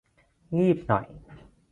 งีบหน่อย